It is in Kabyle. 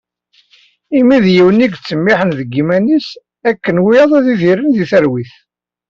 Imi d yiwen yettsemmiḥen deg yiman-is akken wiyaḍ ad idiren di talwit.